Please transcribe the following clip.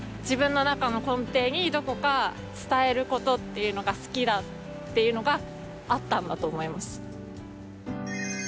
自分の中の根底にどこか伝えることっていうのが好きだっていうのがあったんだと思います。